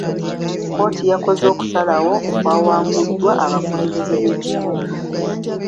kkooti yakoze okusalawo okwawanguddwa abakulembeze b'ekitundu.